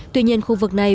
tuy nhiên khu vực này